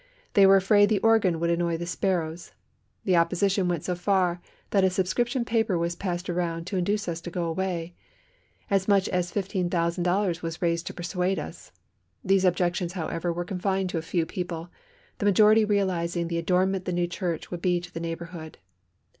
They were afraid the organ would annoy the sparrows. The opposition went so far that a subscription paper was passed around to induce us to go away. As much as $15,000 was raised to persuade us. These objections, however, were confined to a few people, the majority realising the adornment the new church would be to the neighbourhood.